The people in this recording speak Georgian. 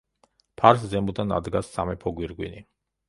ფარს ზემოდან ადგას სამეფო გვირგვინი.